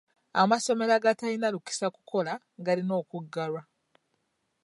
Amasomero agatalina lukisa kukola galina okuggalwa.